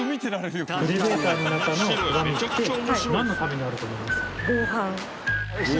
エレベーターの中の鏡ってなんのためにあると思います？